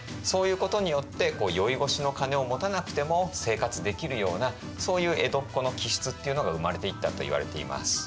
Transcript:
そういうことによって宵越しの金を持たなくても生活できるようなそういう江戸っ子の気質っていうのが生まれていったといわれています。